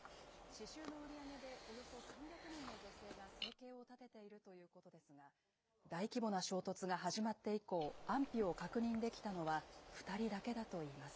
刺しゅうの売り上げでおよそ３００人の女性が生計を立てているということですが、大規模な衝突が始まって以降、安否を確認できたのは２人だけだといいます。